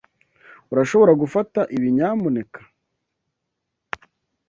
Urashobora gufata ibi, nyamuneka?